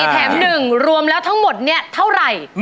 แถม๑รวมแล้วทั้งหมดเนี่ยเท่าไหร่